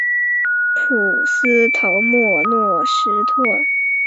普斯陶莫诺什托尔。